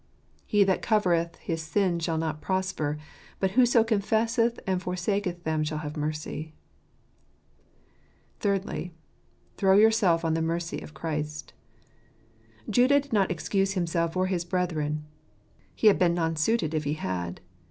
re tqr for tttetxg. io 5 " He that covereth his sins shall not prosper ; but whoso confesseth and forsaketh them shall have mercy." Thirdly, Throw yourself on the mercy of Christ. Judah did not excuse himself or his brethren ; he had been non suited if he had.